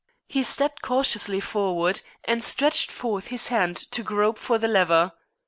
He stepped cautiously forward, and stretched forth his hand to grope for the lever.